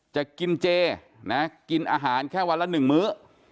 จะกินเจกินอาหารแค่วันละหนึ่งมื้อ